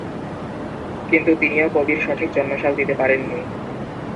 কিন্তু তিনিও কবির সঠিক জন্ম-সাল দিতে পারেননি।